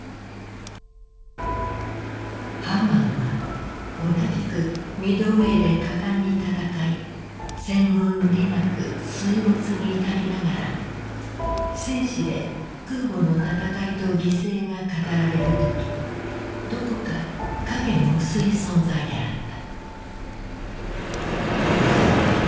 「『ハマン』は同じくミッドウェーで果敢にたたかい戦運利なく水没に至りながら戦史で空母のたたかいと犠牲が語られるときどこか影の薄い存在であった」。